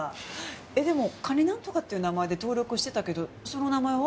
えっでも蟹なんとかっていう名前で登録してたけどその名前は？